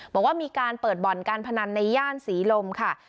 บอกว่ามีการเปิดบ่อนการพนันในย่านศรีลมค่ะ